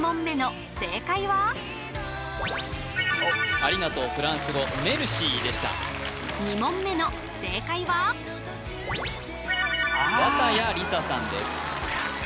ありがとうをフランス語メルシーでした２問目の正解は綿矢りささんです